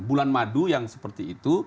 bulan madu yang seperti itu